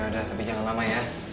udah tapi jangan lama ya